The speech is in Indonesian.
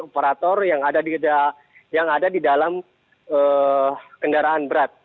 operator yang ada di dalam kendaraan berat